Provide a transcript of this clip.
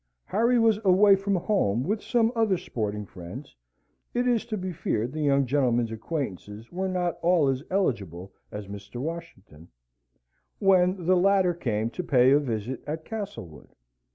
Harry was away from home with some other sporting friends (it is to be feared the young gentleman's acquaintances were not all as eligible as Mr. Washington), when the latter came to pay a visit at Castlewood.